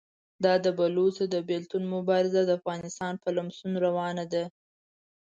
دا د بلوڅو د بېلتون مبارزه د افغانستان په لمسون روانه ده.